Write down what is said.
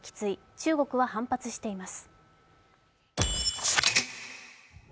中国は反発しています。